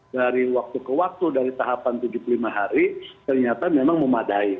dari waktu ke waktu dari tahapan tujuh puluh lima hari ternyata memang memadai